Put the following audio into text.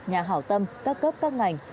nhà hảo tâm các cấp các ngành